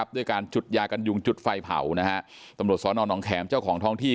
ด้วยการจุดยากันยุงจุดไฟเผานะฮะตำรวจสอนอนน้องแขมเจ้าของท้องที่